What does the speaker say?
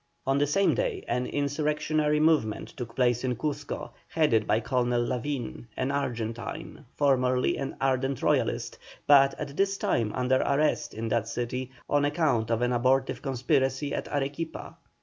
On the same day an insurrectionary movement took place in Cuzco, headed by Colonel Lavin, an Argentine, formerly an ardent Royalist, but at this time under arrest in that city on account of an abortive conspiracy at Arequipa.